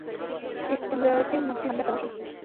استمراري ماضي د حالت دوام ښيي.